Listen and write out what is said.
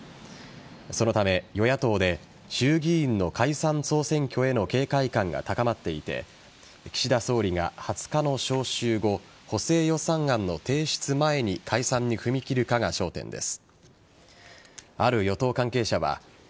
そのため、与野党で衆議院の解散総選挙への警戒感が高まっていて岸田総理が２０日の召集後補正予算案の提出前に解散に踏み切るかが焦点です。